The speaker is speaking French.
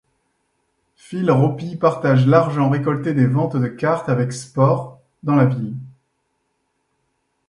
Phil Ropy partage l'argent récolté des ventes de cartes avec Sport dans la Ville.